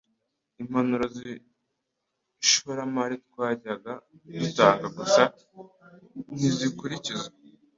Impanuro zishoramari twajyaga dutanga gusa ntizikurikizwa.